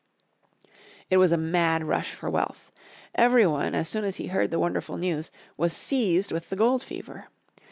It was a mad rush for wealth. Every one as soon as he heard the wonderful news was seized with the gold fever.